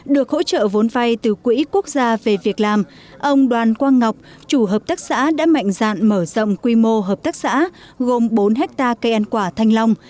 được hỗ trợ vốn vay từ quỹ quốc gia về việc làm ông đoàn quang ngọc chủ hợp tác xã đã mạnh dạn mở rộng quy mô hợp tác xã gồm bốn hectare cây ăn quả thanh long